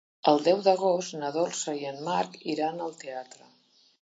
El deu d'agost na Dolça i en Marc iran al teatre.